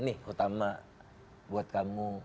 nih utama buat kamu